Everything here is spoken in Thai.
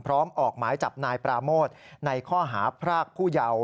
ออกหมายจับนายปราโมทในข้อหาพรากผู้เยาว์